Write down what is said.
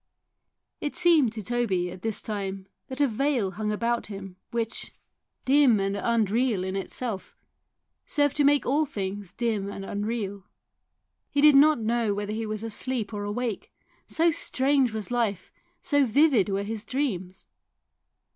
It seemed to Toby at this time that a veil hung about him which, dim and unreal in THE BIRD IN THE GARDEN 151 itself, served to make all things dim and unreal He did not know whether he was asleep or awake, so strange was life, so vivid were his dreams.